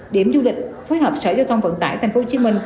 điểm du lịch phối hợp sở giao thông vận tải tp hcm